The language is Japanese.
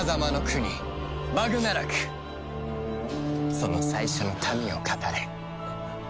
その最初の民を語れ。